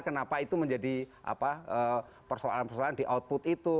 kenapa itu menjadi persoalan persoalan di output itu